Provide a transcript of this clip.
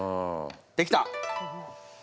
できた！